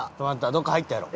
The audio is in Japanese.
どっか入ったやろ。